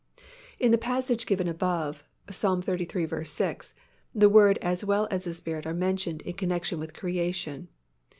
In the passage given above (Ps. xxxiii. 6), the Word as well as the Spirit are mentioned in connection with creation.